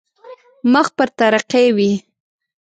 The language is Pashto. مخ پر ترقي وي.